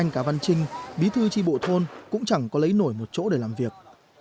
cả văn trinh bí thư chi bộ thôn cũng chẳng có lấy nổi một chỗ để làm việc